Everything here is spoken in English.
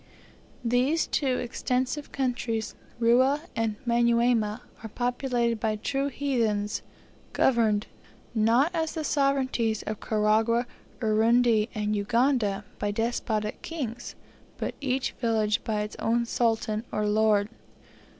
These two extensive countries, Rua and Manyuema, are populated by true heathens, governed, not as the sovereignties of Karagwah, Urundi, and Uganda, by despotic kings, but each village by its own sultan or lord.